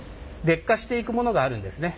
劣化していくものがあるんですね。